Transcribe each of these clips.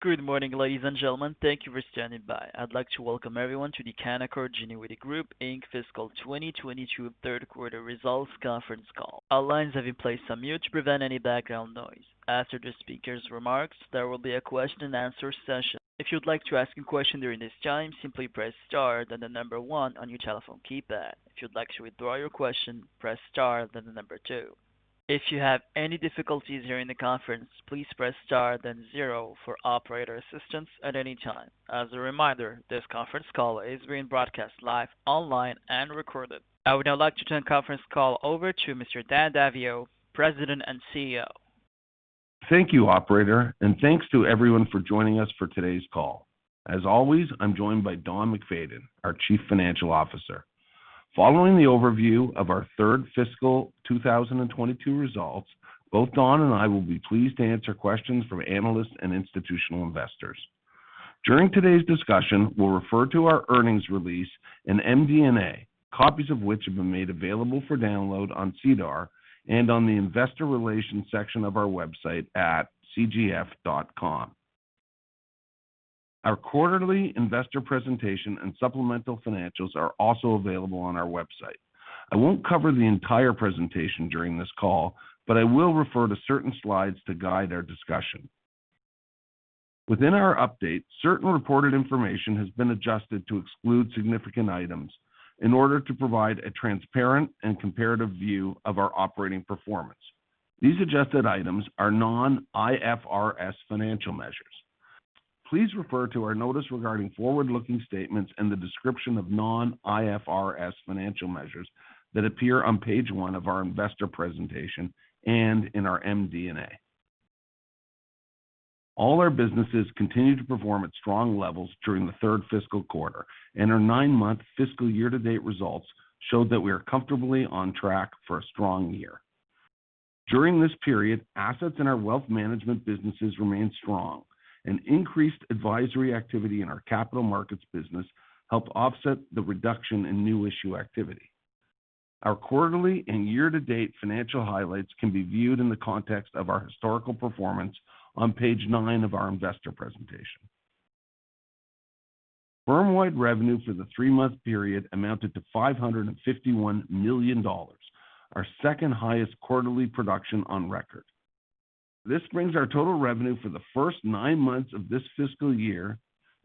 Good morning, ladies and gentlemen. Thank you for standing by. I'd like to welcome everyone to the Canaccord Genuity Group, Inc. fiscal 2022 third quarter results conference call. All lines have been placed on mute to prevent any background noise. After the speaker's remarks, there will be a question and answer session. If you'd like to ask a question during this time, simply press Star, then the number one on your telephone keypad. If you'd like to withdraw your question, press Star, then the number two. If you have any difficulties during the conference, please press Star, then zero for operator assistance at any time. As a reminder, this conference call is being broadcast live, online, and recorded. I would now like to turn the conference call over to Mr. Dan Daviau, President and CEO. Thank you, operator, and thanks to everyone for joining us for today's call. As always, I'm joined by Don MacFayden, our Chief Financial Officer. Following the overview of our third fiscal 2022 results, both Don and I will be pleased to answer questions from analysts and institutional investors. During today's discussion, we'll refer to our earnings release and MD&A, copies of which have been made available for download on SEDAR and on the investor relations section of our website at cgf.com. Our quarterly investor presentation and supplemental financials are also available on our website. I won't cover the entire presentation during this call, but I will refer to certain slides to guide our discussion. Within our update, certain reported information has been adjusted to exclude significant items in order to provide a transparent and comparative view of our operating performance. These adjusted items are non-IFRS financial measures. Please refer to our notice regarding forward-looking statements and the description of non-IFRS financial measures that appear on page one of our investor presentation and in our MD&A. All our businesses continued to perform at strong levels during the third fiscal quarter, and our nine-month fiscal year-to-date results showed that we are comfortably on track for a strong year. During this period, assets in our wealth management businesses remained strong and increased advisory activity in our capital markets business helped offset the reduction in new issue activity. Our quarterly and year-to-date financial highlights can be viewed in the context of our historical performance on page nine of our investor presentation. Firm-wide revenue for the three-month period amounted to 551 million dollars, our second-highest quarterly production on record. This brings our total revenue for the first nine months of this fiscal year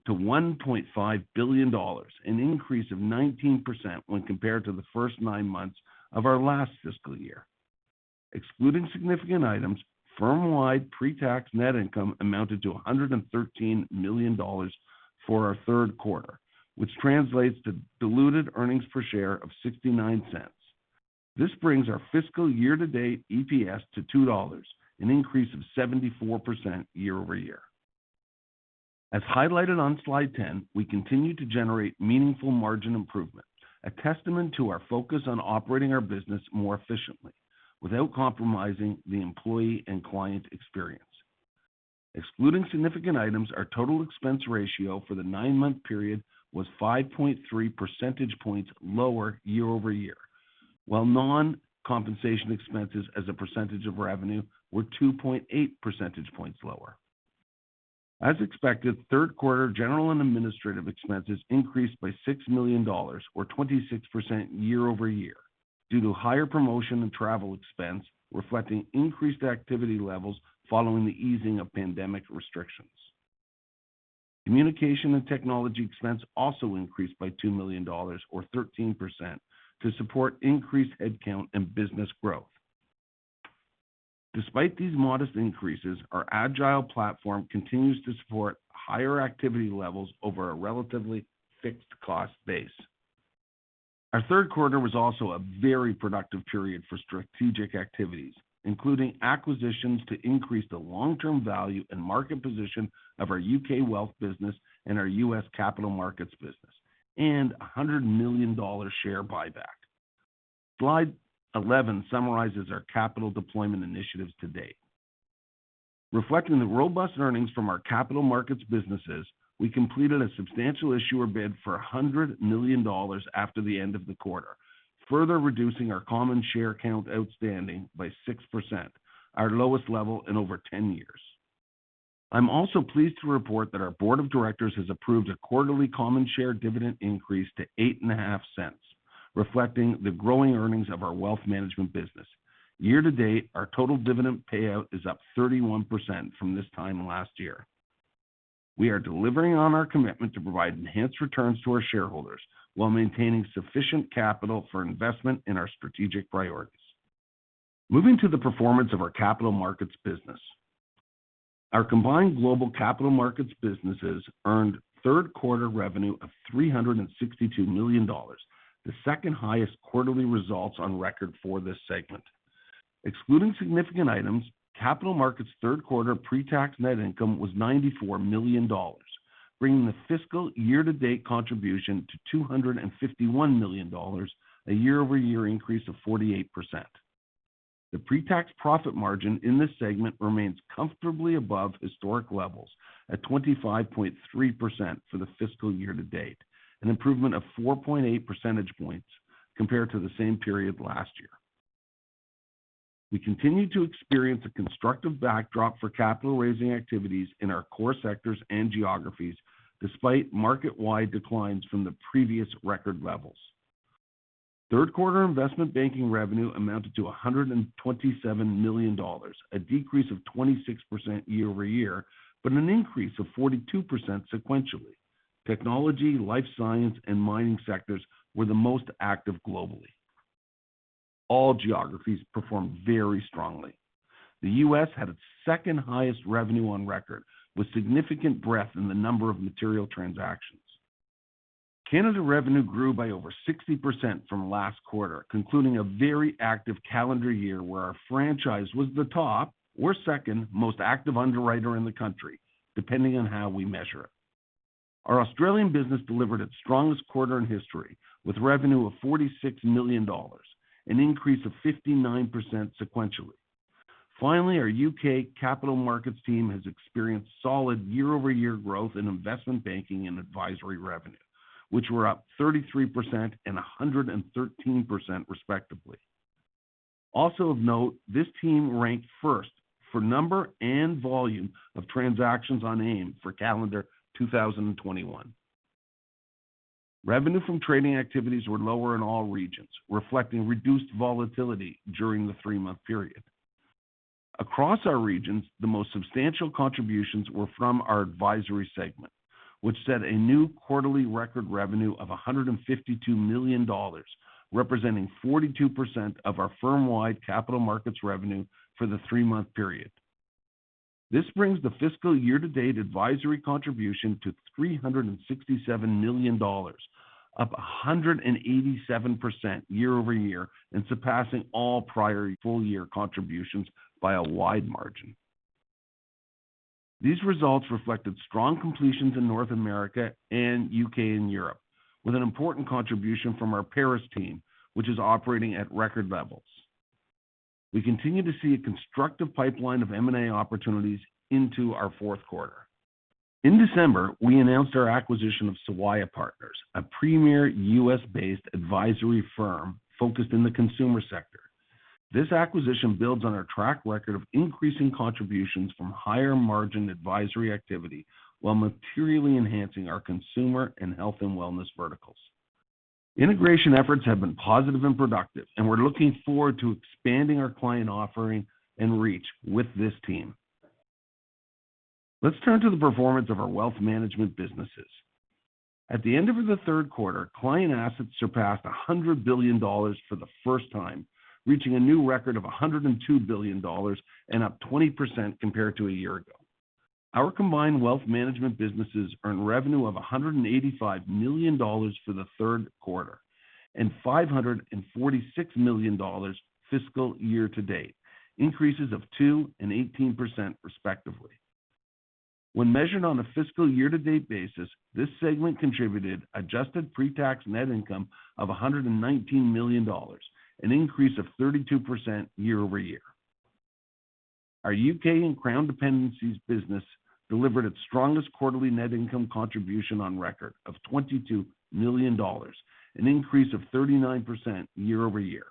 to 1.5 billion dollars, an increase of 19% when compared to the first nine months of our last fiscal year. Excluding significant items, firm-wide pre-tax net income amounted to 113 million dollars for our third quarter, which translates to diluted EPS of 0.69. This brings our fiscal year-to-date EPS to 2 dollars, an increase of 74% year-over-year. As highlighted on slide 10, we continue to generate meaningful margin improvement, a testament to our focus on operating our business more efficiently without compromising the employee and client experience. Excluding significant items, our total expense ratio for the nine-month period was 5.3 percentage points lower year-over-year, while non-compensation expenses as a percentage of revenue were 2.8 percentage points lower. As expected, third quarter general and administrative expenses increased by 6 million dollars or 26% year-over-year due to higher promotion and travel expense, reflecting increased activity levels following the easing of pandemic restrictions. Communication and technology expense also increased by 2 million dollars or 13% to support increased headcount and business growth. Despite these modest increases, our agile platform continues to support higher activity levels over a relatively fixed cost base. Our third quarter was also a very productive period for strategic activities, including acquisitions to increase the long-term value and market position of our U.K. wealth business and our U.S. capital markets business, and $100 million share buyback. Slide 11 summarizes our capital deployment initiatives to date. Reflecting the robust earnings from our capital markets businesses, we completed a substantial issuer bid for 100 million dollars after the end of the quarter, further reducing our common share count outstanding by 6%, our lowest level in over 10 years. I'm also pleased to report that our board of directors has approved a quarterly common share dividend increase to 0.085, reflecting the growing earnings of our wealth management business. Year to date, our total dividend payout is up 31% from this time last year. We are delivering on our commitment to provide enhanced returns to our shareholders while maintaining sufficient capital for investment in our strategic priorities. Moving to the performance of our capital markets business. Our combined global capital markets businesses earned third quarter revenue of 362 million dollars, the second highest quarterly results on record for this segment. Excluding significant items, capital markets third quarter pre-tax net income was 94 million dollars, bringing the fiscal year-to-date contribution to 251 million dollars, a year-over-year increase of 48%. The pre-tax profit margin in this segment remains comfortably above historic levels at 25.3% for the fiscal year to date, an improvement of 4.8 percentage points compared to the same period last year. We continue to experience a constructive backdrop for capital raising activities in our core sectors and geographies despite market-wide declines from the previous record levels. Third quarter investment banking revenue amounted to 127 million dollars, a decrease of 26% year over year, but an increase of 42% sequentially. Technology, life science, and mining sectors were the most active globally. All geographies performed very strongly. The U.S. had its second highest revenue on record, with significant breadth in the number of material transactions. Canada revenue grew by over 60% from last quarter, concluding a very active calendar year where our franchise was the top or second most active underwriter in the country, depending on how we measure it. Our Australian business delivered its strongest quarter in history, with revenue of 46 million dollars, an increase of 59% sequentially. Finally, our U.K. capital markets team has experienced solid year-over-year growth in investment banking and advisory revenue, which were up 33% and 113% respectively. Also of note, this team ranked first for number and volume of transactions on AIM for calendar 2021. Revenue from trading activities were lower in all regions, reflecting reduced volatility during the three-month period. Across our regions, the most substantial contributions were from our advisory segment, which set a new quarterly record revenue of 152 million dollars, representing 42% of our firm-wide capital markets revenue for the three-month period. This brings the fiscal year to date advisory contribution to 367 million dollars, up 187% year-over-year and surpassing all prior full year contributions by a wide margin. These results reflected strong completions in North America and U.K. and Europe, with an important contribution from our Paris team, which is operating at record levels. We continue to see a constructive pipeline of M&A opportunities into our fourth quarter. In December, we announced our acquisition of Sawaya Partners, a premier U.S.-based advisory firm focused in the consumer sector. This acquisition builds on our track record of increasing contributions from higher margin advisory activity while materially enhancing our consumer and health and wellness verticals. Integration efforts have been positive and productive, and we're looking forward to expanding our client offering and reach with this team. Let's turn to the performance of our wealth management businesses. At the end of the third quarter, client assets surpassed 100 billion dollars for the first time, reaching a new record of 102 billion dollars and up 20% compared to a year ago. Our combined wealth management businesses earned revenue of 185 million dollars for the third quarter, and 546 million dollars fiscal year to date, increases of 2% and 18% respectively. When measured on a fiscal year-to-date basis, this segment contributed adjusted pre-tax net income of 119 million dollars, an increase of 32% year-over-year. Our UK and Crown Dependencies business delivered its strongest quarterly net income contribution on record of 22 million dollars, an increase of 39% year-over-year.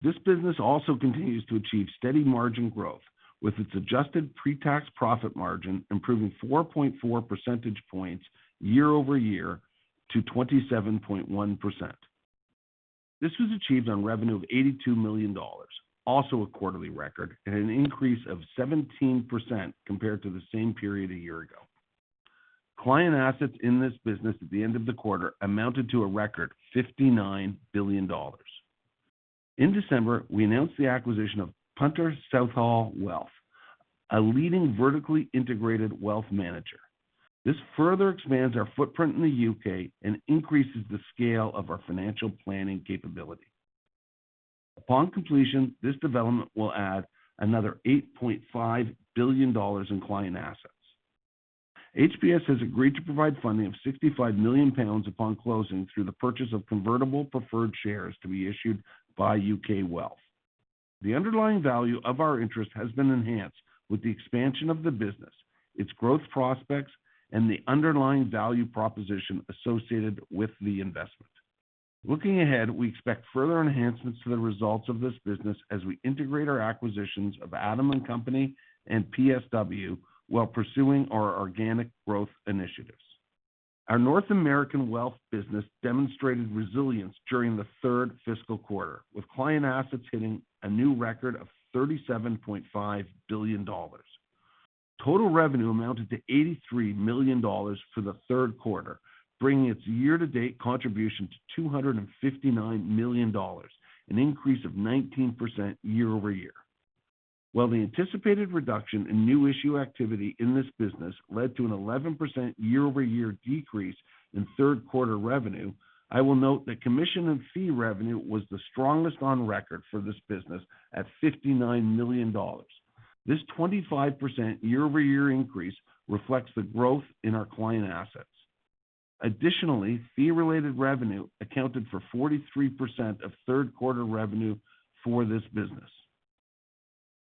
This business also continues to achieve steady margin growth, with its adjusted pre-tax profit margin improving 4.4 percentage points year-over-year to 27.1%. This was achieved on revenue of 82 million dollars, also a quarterly record, and an increase of 17% compared to the same period a year ago. Client assets in this business at the end of the quarter amounted to a record 59 billion dollars. In December, we announced the acquisition of Punter Southall Wealth, a leading vertically integrated wealth manager. This further expands our footprint in the U.K. and increases the scale of our financial planning capability. Upon completion, this development will add another $8.5 billion in client assets. HPS has agreed to provide funding of 65 million pounds upon closing through the purchase of convertible preferred shares to be issued by U.K. Wealth. The underlying value of our interest has been enhanced with the expansion of the business, its growth prospects, and the underlying value proposition associated with the investment. Looking ahead, we expect further enhancements to the results of this business as we integrate our acquisitions of Adam & Company and PSW while pursuing our organic growth initiatives. Our North American wealth business demonstrated resilience during the third fiscal quarter, with client assets hitting a new record of $37.5 billion. Total revenue amounted to 83 million dollars for the third quarter, bringing its year-to-date contribution to 259 million dollars, an increase of 19% year over year. While the anticipated reduction in new issue activity in this business led to an 11% year-over-year decrease in third quarter revenue, I will note that commission and fee revenue was the strongest on record for this business at 59 million dollars. This 25% year-over-year increase reflects the growth in our client assets. Additionally, fee-related revenue accounted for 43% of third quarter revenue for this business.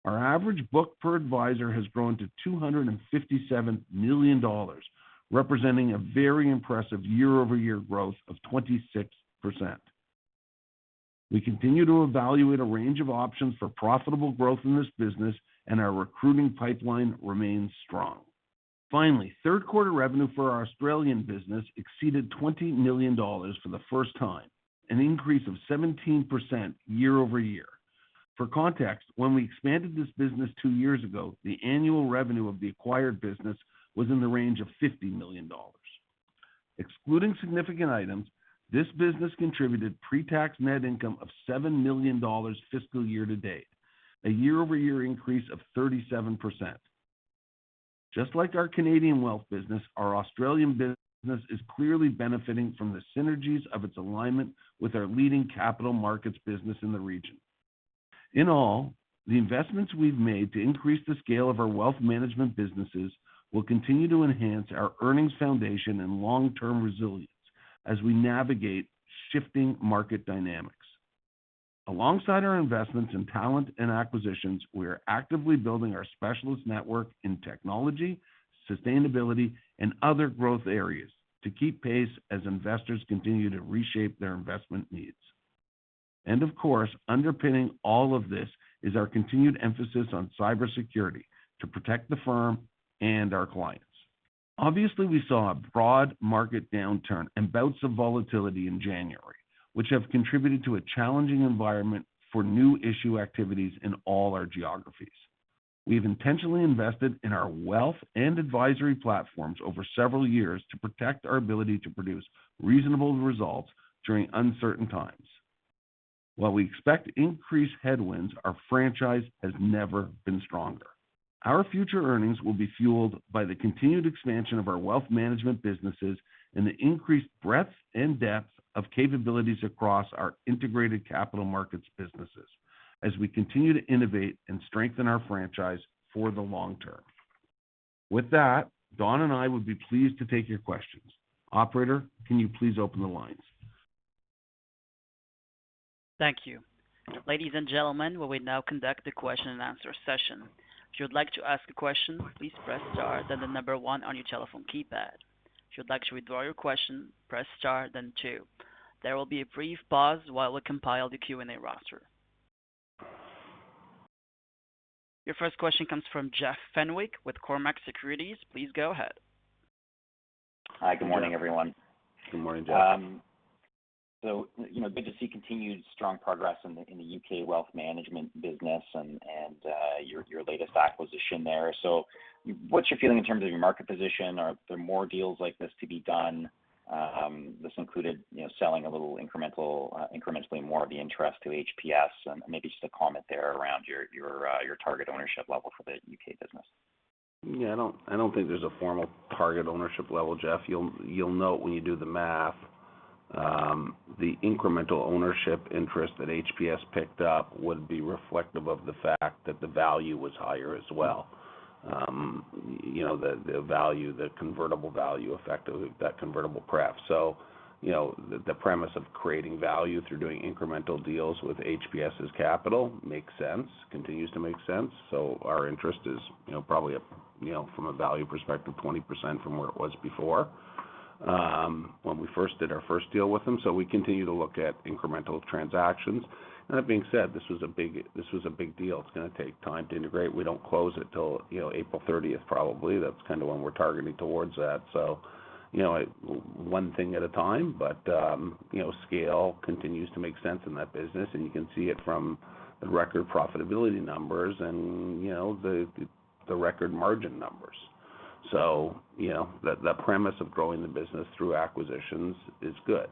Our average book per advisor has grown to 257 million dollars, representing a very impressive year-over-year growth of 26%. We continue to evaluate a range of options for profitable growth in this business, and our recruiting pipeline remains strong. Finally, third quarter revenue for our Australian business exceeded 20 million dollars for the first time, an increase of 17% year-over-year. For context, when we expanded this business two years ago, the annual revenue of the acquired business was in the range of 50 million dollars. Excluding significant items, this business contributed pre-tax net income of 7 million dollars fiscal year-to-date, a year-over-year increase of 37%. Just like our Canadian wealth business, our Australian business is clearly benefiting from the synergies of its alignment with our leading capital markets business in the region. In all, the investments we've made to increase the scale of our wealth management businesses will continue to enhance our earnings foundation and long-term resilience as we navigate shifting market dynamics. Alongside our investments in talent and acquisitions, we are actively building our specialist network in technology, sustainability and other growth areas to keep pace as investors continue to reshape their investment needs. Of course, underpinning all of this is our continued emphasis on cybersecurity to protect the firm and our clients. Obviously, we saw a broad market downturn and bouts of volatility in January, which have contributed to a challenging environment for new issue activities in all our geographies. We've intentionally invested in our wealth and advisory platforms over several years to protect our ability to produce reasonable results during uncertain times. While we expect increased headwinds, our franchise has never been stronger. Our future earnings will be fueled by the continued expansion of our wealth management businesses and the increased breadth and depth of capabilities across our integrated capital markets businesses as we continue to innovate and strengthen our franchise for the long term. With that, Don and I would be pleased to take your questions. Operator, can you please open the lines? Thank you. Ladies and gentlemen, we will now conduct the question-and-answer session. If you'd like to ask a question, please press Star, then the number one on your telephone keypad. If you'd like to withdraw your question, press Star then two. There will be a brief pause while we compile the Q&A roster. Your first question comes from Jeff Fenwick with Cormark Securities. Please go ahead. Hi, good morning, everyone. Good morning, Jeff. You know, good to see continued strong progress in the U.K. wealth management business and your latest acquisition there. What's your feeling in terms of your market position? Are there more deals like this to be done? This included, you know, selling a little incrementally more of the interest to HPS and maybe just a comment there around your target ownership level for the U.K. business. Yeah, I don't think there's a formal target ownership level, Jeff. You'll note when you do the math, the incremental ownership interest that HPS picked up would be reflective of the fact that the value was higher as well. You know, the value, the convertible value effect of that convertible preferred. You know, the premise of creating value through doing incremental deals with HPS' capital makes sense, continues to make sense. Our interest is, you know, probably a, you know, from a value perspective, 20% from where it was before, when we first did our first deal with them. We continue to look at incremental transactions. That being said, this was a big deal. It's gonna take time to integrate. We don't close it till, you know, April thirtieth, probably. That's kind of when we're targeting towards that. You know, one thing at a time, but you know, scale continues to make sense in that business, and you can see it from the record profitability numbers and, you know, the record margin numbers. You know, the premise of growing the business through acquisitions is good.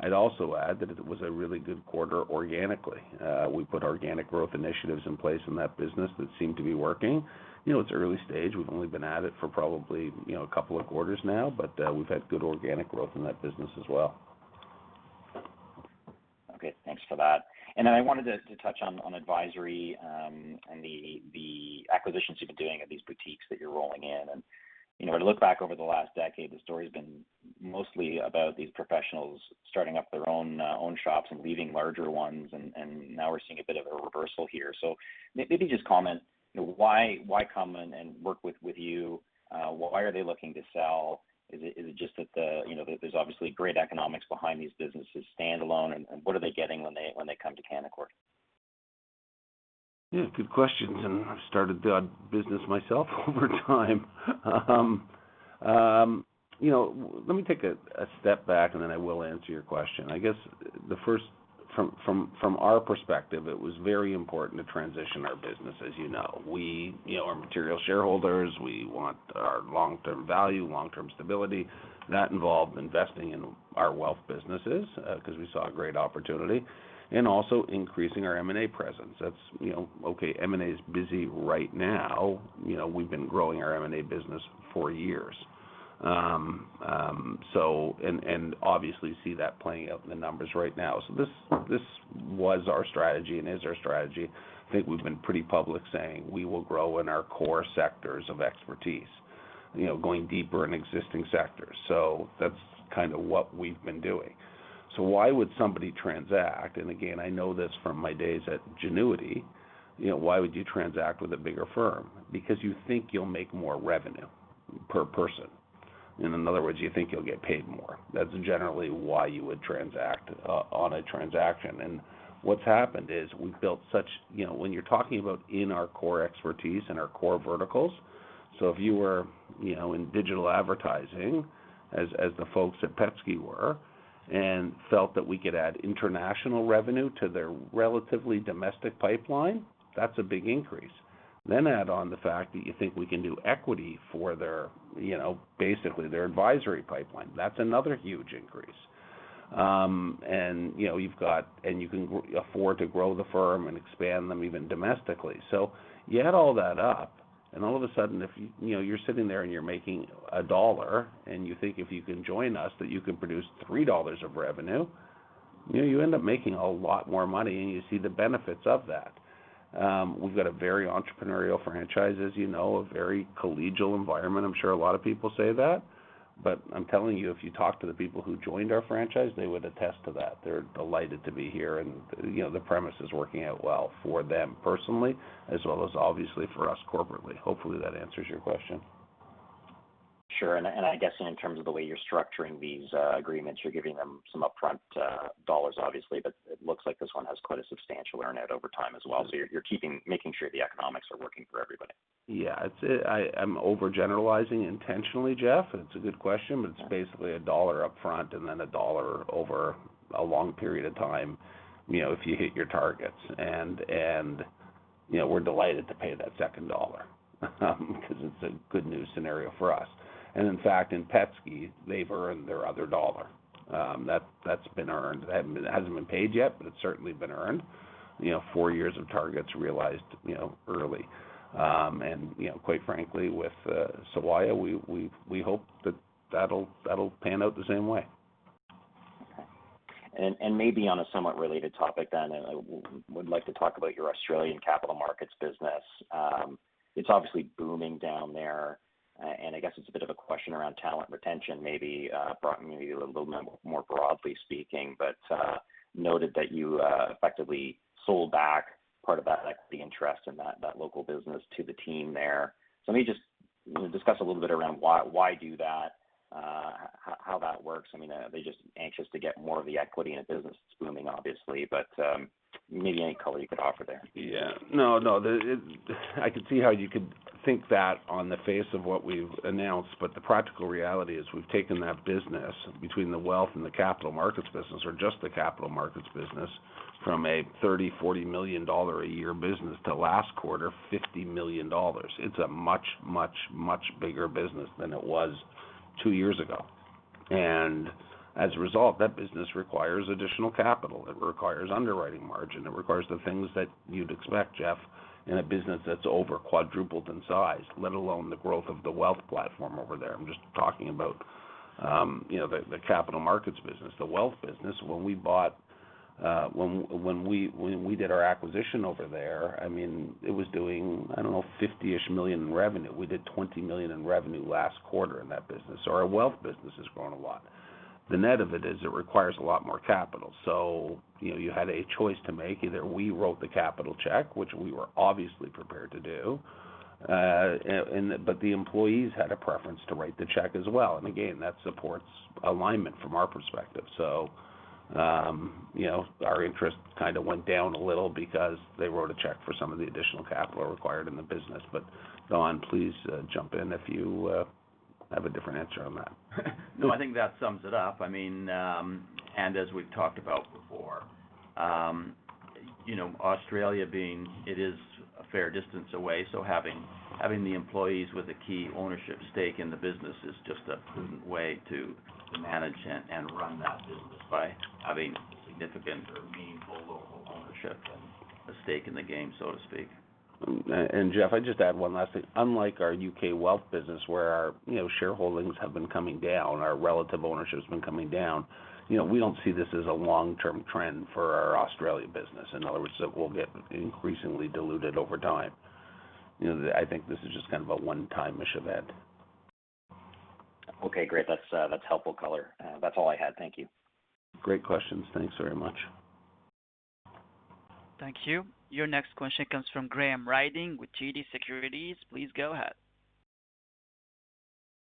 I'd also add that it was a really good quarter organically. We put organic growth initiatives in place in that business that seem to be working. You know, it's early stage. We've only been at it for probably, you know, a couple of quarters now, but we've had good organic growth in that business as well. Okay, thanks for that. I wanted to touch on advisory and the acquisitions you've been doing at these boutiques that you're rolling in. You know, to look back over the last decade, the story's been mostly about these professionals starting up their own shops and leaving larger ones, and now we're seeing a bit of a reversal here. Maybe just comment why come and work with you? Why are they looking to sell? Is it just that you know there's obviously great economics behind these businesses standalone, and what are they getting when they come to Canaccord? Yeah, good questions, and I've started that business myself over time. You know, let me take a step back, and then I will answer your question. From our perspective, it was very important to transition our business, as you know. We, you know, are material shareholders. We want our long-term value, long-term stability. That involved investing in our wealth businesses, 'cause we saw a great opportunity, and also increasing our M&A presence. That's, you know, okay, M&A is busy right now. You know, we've been growing our M&A business for years. And obviously see that playing out in the numbers right now. This was our strategy and is our strategy. I think we've been pretty public saying, we will grow in our core sectors of expertise. You know, going deeper in existing sectors. That's kind of what we've been doing. Why would somebody transact? Again, I know this from my days at Genuity, you know, why would you transact with a bigger firm? Because you think you'll make more revenue per person. In other words, you think you'll get paid more. That's generally why you would transact on a transaction. What's happened is we've built such, you know, when you're talking about in our core expertise, in our core verticals, so if you were, you know, in digital advertising, as the folks at Petsky were, and felt that we could add international revenue to their relatively domestic pipeline, that's a big increase. Add on the fact that you think we can do equity for their, you know, basically their advisory pipeline. That's another huge increase. You know, you've got and you can afford to grow the firm and expand them even domestically. You add all that up, and all of a sudden, if you know, you're sitting there and you're making $1 and you think if you can join us, that you can produce $3 of revenue, you know, you end up making a lot more money, and you see the benefits of that. We've got a very entrepreneurial franchise, as you know, a very collegial environment. I'm sure a lot of people say that, but I'm telling you, if you talk to the people who joined our franchise, they would attest to that. They're delighted to be here, and you know, the premise is working out well for them personally, as well as obviously for us corporately. Hopefully, that answers your question. Sure. I guess in terms of the way you're structuring these agreements, you're giving them some upfront dollars, obviously, but it looks like this one has quite a substantial earn-out over time as well. You're making sure the economics are working for everybody. Yeah. I'd say I'm overgeneralizing intentionally, Jeff. It's a good question, but it's basically $1 up front and then $1 over a long period of time, you know, if you hit your targets. You know, we're delighted to pay that second $1, 'cause it's a good news scenario for us. In fact, in Petsky, they've earned their other $1. That's been earned. It hasn't been paid yet, but it's certainly been earned. You know, four years of targets realized, you know, early. You know, quite frankly, with Sawaya, we hope that'll pan out the same way. Okay. Maybe on a somewhat related topic then, I would like to talk about your Australian capital markets business. It's obviously booming down there. I guess it's a bit of a question around talent retention maybe, brought maybe a little bit more broadly speaking, but noted that you effectively sold back part of that equity interest in that local business to the team there. Let me just discuss a little bit around why do that, how that works. I mean, are they just anxious to get more of the equity in a business that's booming, obviously, but maybe any color you could offer there. Yeah. No, no. I can see how you could think that on the face of what we've announced, but the practical reality is we've taken that business between the wealth and the capital markets business or just the capital markets business from a 30-40 million dollar a year business to last quarter, 50 million dollars. It's a much, much, much bigger business than it was two years ago. As a result, that business requires additional capital. It requires underwriting margin. It requires the things that you'd expect, Jeff, in a business that's over quadrupled in size, let alone the growth of the wealth platform over there. I'm just talking about, you know, the capital markets business. The wealth business, when we did our acquisition over there, I mean, it was doing, I don't know, 50-ish million in revenue. We did 20 million in revenue last quarter in that business. Our wealth business has grown a lot. The net of it is it requires a lot more capital. You know, you had a choice to make, either we wrote the capital check, which we were obviously prepared to do. But the employees had a preference to write the check as well. Again, that supports alignment from our perspective. You know, our interest kind of went down a little because they wrote a check for some of the additional capital required in the business. Don, please jump in if you have a different answer on that. No, I think that sums it up. I mean, and as we've talked about before, you know, Australia being it is a fair distance away, so having the employees with a key ownership stake in the business is just a prudent way to manage and run that business by having significant or meaningful local ownership and a stake in the game, so to speak. Jeff, I'd just add one last thing. Unlike our U.K. wealth business where our shareholdings have been coming down, our relative ownership has been coming down. We don't see this as a long-term trend for our Australia business. In other words, it will get increasingly diluted over time. You know, I think this is just kind of a one-timish event. Okay, great. That's helpful color. That's all I had. Thank you. Great questions. Thanks very much. Thank you. Your next question comes from Graham Ryding with TD Securities. Please go ahead.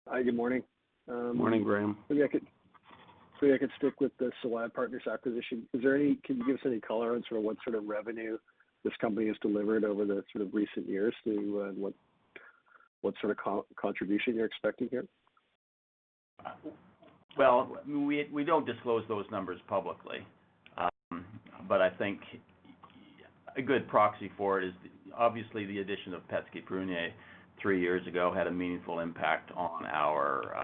Hi, good morning. Morning, Graham. I could stick with the Sawaya Partners acquisition. Can you give us any color on sort of what sort of revenue this company has delivered over the sort of recent years and what sort of contribution you're expecting here? Well, we don't disclose those numbers publicly. I think a good proxy for it is obviously the addition of Petsky Prunier three years ago had a meaningful impact on our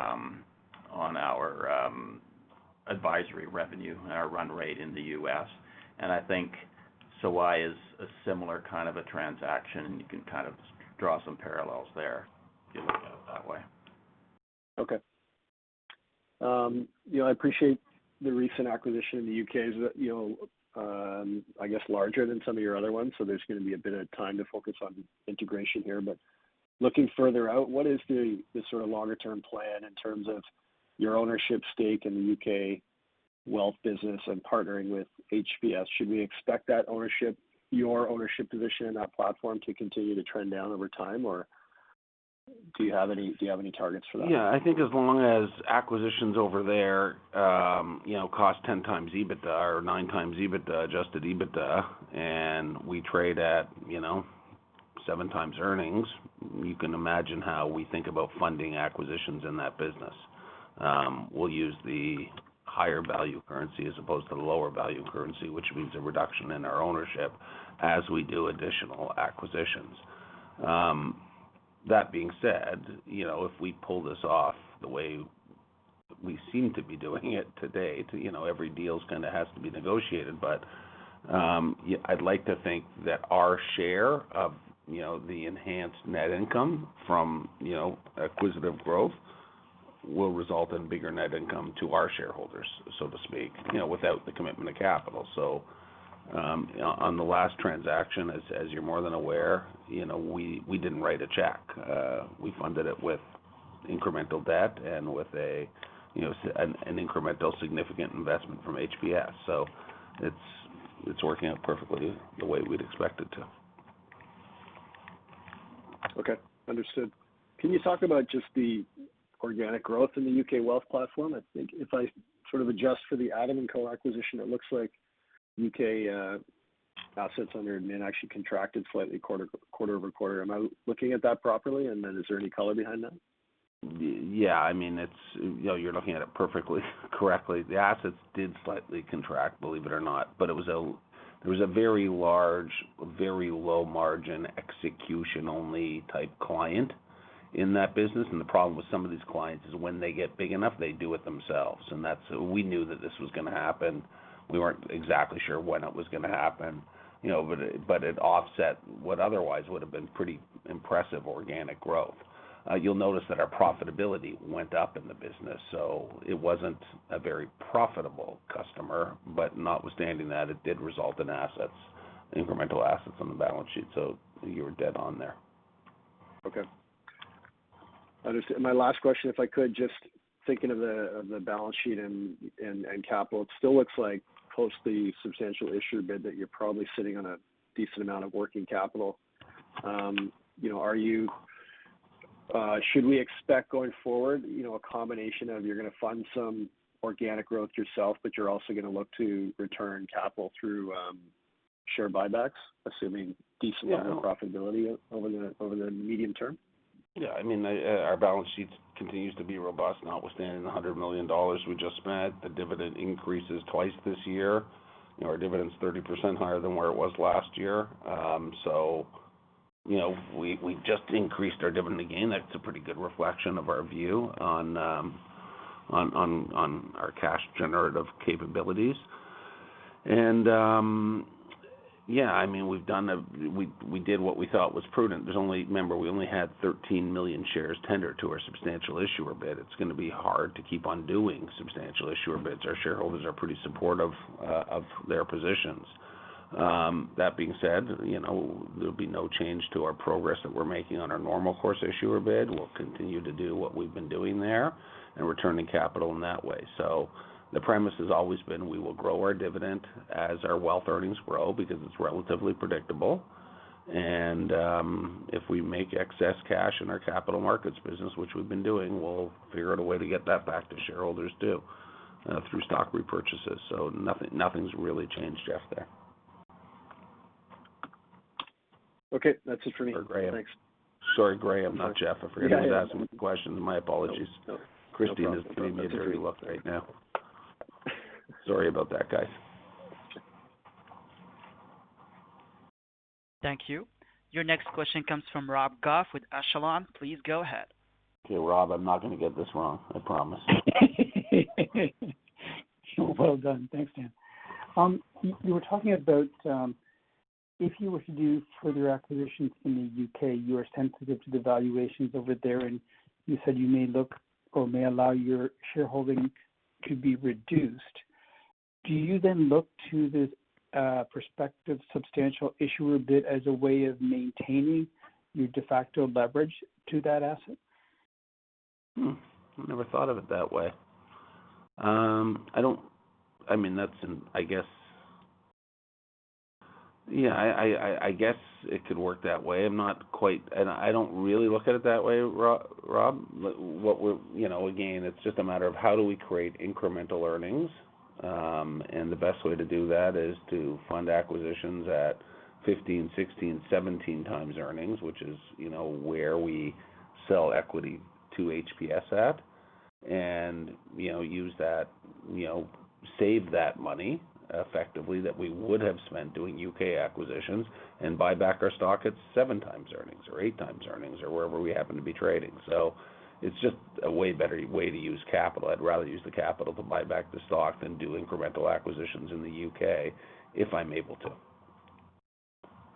advisory revenue and our run rate in the U.S. I think Sawaya is a similar kind of a transaction, and you can kind of draw some parallels there if you look at it that way. Okay, you know, I appreciate the recent acquisition in the U.K. is, you know, I guess larger than some of your other ones. There's gonna be a bit of time to focus on integration here. Looking further out, what is the sort of longer-term plan in terms of your ownership stake in the U.K. wealth business and partnering with HPS? Should we expect that ownership, your ownership position in that platform to continue to trend down over time, or do you have any targets for that? Yeah. I think as long as acquisitions over there, you know, cost 10x EBITDA or 9x EBITDA, adjusted EBITDA, and we trade at, you know, 7x earnings, you can imagine how we think about funding acquisitions in that business. We'll use the higher value currency as opposed to the lower value currency, which means a reduction in our ownership as we do additional acquisitions. That being said, you know, if we pull this off the way we seem to be doing it today to, you know, every deal kind of has to be negotiated. I'd like to think that our share of, you know, the enhanced net income from, you know, acquisitive growth will result in bigger net income to our shareholders, so to speak, you know, without the commitment of capital. on the last transaction, as you're more than aware, you know, we didn't write a check. We funded it with incremental debt and with a, you know, an incremental significant investment from HPS. It's working out perfectly the way we'd expect it to. Okay. Understood. Can you talk about just the organic growth in the U.K. wealth platform? I think if I sort of adjust for the Adam & Co. acquisition, it looks like U.K. assets under admin actually contracted slightly quarter-over-quarter. Am I looking at that properly? And then is there any color behind that? Yeah. I mean, it's. You know, you're looking at it perfectly correctly. The assets did slightly contract, believe it or not. It was a very large, very low margin execution-only type client in that business. The problem with some of these clients is when they get big enough, they do it themselves. That's, we knew that this was gonna happen. We weren't exactly sure when it was gonna happen, you know, but it offset what otherwise would have been pretty impressive organic growth. You'll notice that our profitability went up in the business, so it wasn't a very profitable customer. Notwithstanding that, it did result in assets, incremental assets on the balance sheet. You were dead on there. Okay. Understood. My last question, if I could, just thinking of the balance sheet and capital, it still looks like post the substantial issuer bid that you're probably sitting on a decent amount of working capital. You know, should we expect going forward, you know, a combination of you're gonna fund some organic growth yourself, but you're also gonna look to return capital through share buybacks, assuming- Yeah... decent level of profitability over the medium term? Yeah. I mean, our balance sheet continues to be robust, notwithstanding the 100 million dollars we just spent. The dividend increases twice this year. You know, our dividend's 30% higher than where it was last year. So, you know, we just increased our dividend again. That's a pretty good reflection of our view on our cash generative capabilities. Yeah, I mean, we did what we thought was prudent. Remember, we only had 13 million shares tendered to our substantial issuer bid. It's gonna be hard to keep on doing substantial issuer bids. Our shareholders are pretty supportive of their positions. That being said, you know, there'll be no change to our progress that we're making on our normal course issuer bid. We'll continue to do what we've been doing there and returning capital in that way. The premise has always been we will grow our dividend as our wealth earnings grow because it's relatively predictable. If we make excess cash in our capital markets business, which we've been doing, we'll figure out a way to get that back to shareholders too, through stock repurchases. Nothing's really changed, Jeff, there. Okay. That's it for me. Graham. Thanks. Sorry, Graham, not Jeff. Yeah. I forgot who was asking the question. My apologies. No, no problem. Christine is doing me dirty look right now. Sorry about that, guys. Thank you. Your next question comes from Rob Goff with Echelon. Please go ahead. Okay, Rob, I'm not gonna get this wrong, I promise. Well done. Thanks, Dan. You were talking about if you were to do further acquisitions in the U.K., you are sensitive to the valuations over there, and you said you may look or may allow your shareholding to be reduced. Do you then look to this prospective substantial issuer bid as a way of maintaining your de facto leverage to that asset? I never thought of it that way. I mean, that's an, I guess. Yeah, I guess it could work that way. I'm not quite and I don't really look at it that way, Rob. You know, again, it's just a matter of how we create incremental earnings. The best way to do that is to fund acquisitions at 15x, 16x, 17x earnings, which is, you know, where we sell equity to HPS at. You know, use that, you know, save that money effectively that we would have spent doing U.K. acquisitions and buy back our stock at 7x earnings or 8x earnings or wherever we happen to be trading. It's just a way better way to use capital. I'd rather use the capital to buy back the stock than do incremental acquisitions in the UK if I'm able to.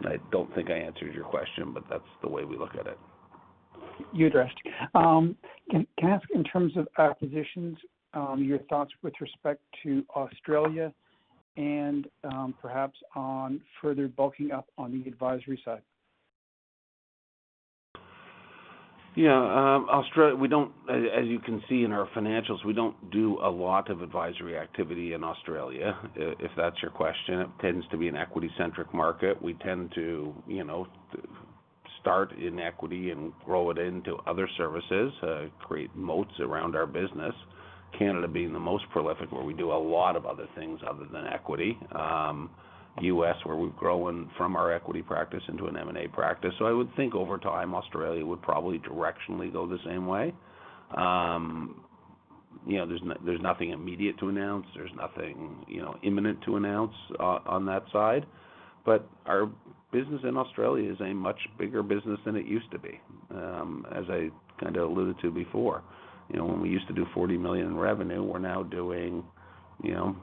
I don't think I answered your question, but that's the way we look at it. You addressed. Can I ask in terms of acquisitions, your thoughts with respect to Australia and perhaps on further bulking up on the advisory side? Yeah. As you can see in our financials, we don't do a lot of advisory activity in Australia, if that's your question. It tends to be an equity-centric market. We tend to, you know, start in equity and grow it into other services, create moats around our business. Canada being the most prolific, where we do a lot of other things other than equity. U.S., where we've grown from our equity practice into an M&A practice. I would think over time, Australia would probably directionally go the same way. You know, there's nothing immediate to announce. There's nothing, you know, imminent to announce on that side. Our business in Australia is a much bigger business than it used to be. As I kind of alluded to before, you know, when we used to do 40 million in revenue, we're now doing, you know,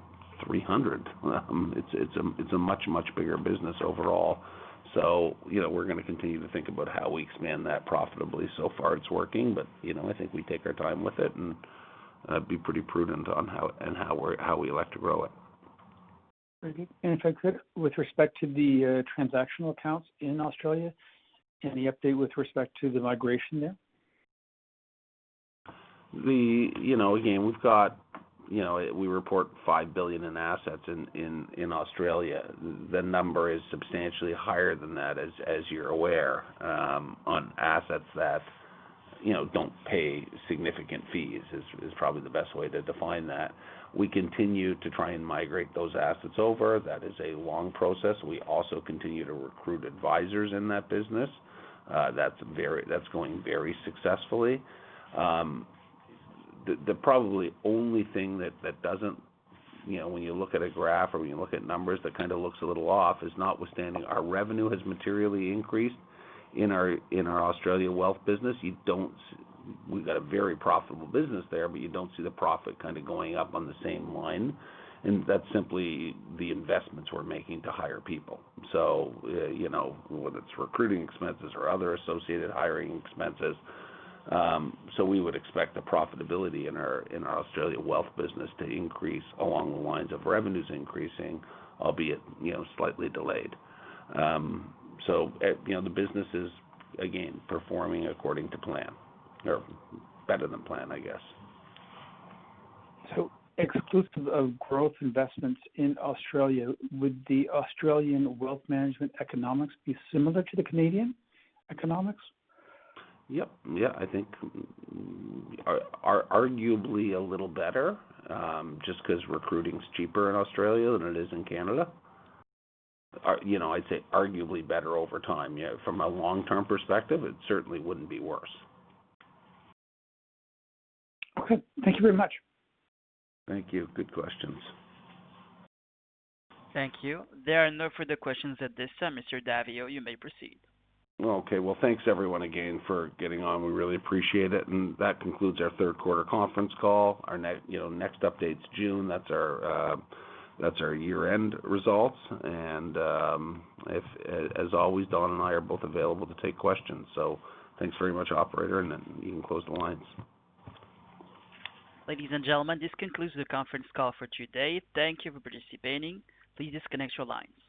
300 million. It's a much bigger business overall. You know, we're gonna continue to think about how we expand that profitably. So far it's working, but, you know, I think we take our time with it and be pretty prudent on how we elect to grow it. Very good. If I could, with respect to the transactional accounts in Australia, any update with respect to the migration there? You know, again, we've got, you know we report 5 billion in assets in Australia. The number is substantially higher than that, as you're aware, on assets that you know don't pay significant fees, is probably the best way to define that. We continue to try and migrate those assets over. That is a long process. We also continue to recruit advisors in that business. That's going very successfully. The probably only thing that doesn't, you know, when you look at a graph or when you look at numbers, that kind of looks a little off is notwithstanding our revenue has materially increased in our Australia wealth business. We've got a very profitable business there, but you don't see the profit kind of going up on the same line, and that's simply the investments we're making to hire people, you know, whether it's recruiting expenses or other associated hiring expenses. We would expect the profitability in our Australia wealth business to increase along the lines of revenues increasing, albeit, you know, slightly delayed. You know, the business is again performing according to plan or better than plan, I guess. Exclusive of growth investments in Australia, would the Australian wealth management economics be similar to the Canadian economics? Yep. Yeah. I think arguably a little better, just 'cause recruiting's cheaper in Australia than it is in Canada. You know, I'd say arguably better over time. From a long-term perspective, it certainly wouldn't be worse. Okay. Thank you very much. Thank you. Good questions. Thank you. There are no further questions at this time. Mr. Daviau, you may proceed. Okay. Well, thanks everyone again for getting on. We really appreciate it. That concludes our third quarter conference call. Our next update's June. You know, that's our year-end results. If, as always, Don and I are both available to take questions. Thanks very much, operator, and you can close the lines. Ladies and gentlemen, this concludes the conference call for today. Thank you for participating. Please disconnect your lines.